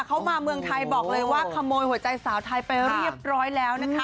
เขามาเมืองไทยบอกเลยว่าขโมยหัวใจสาวไทยไปเรียบร้อยแล้วนะคะ